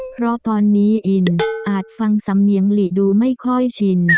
เพราะตอนนี้อินอาจฟังสำเนียงหลีดูไม่ค่อยชิน